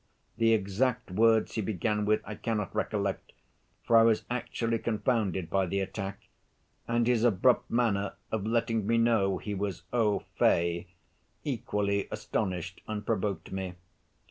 The exact words he began with I cannot recollect, for I was actually confounded by the attack; and his abrupt manner of letting me know he was au fait equally astonished and provoked me.